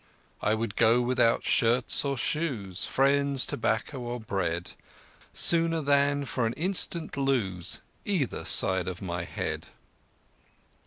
I would go without shirts or shoes, Friends, tobacco or bread Sooner than for an instant lose Either side of my head."